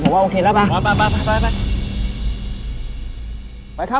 ผมว่าโอเคแล้วไปไปไป